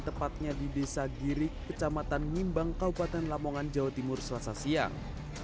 tepatnya di desa girik kecamatan ngimbang kabupaten lamongan jawa timur selasa siang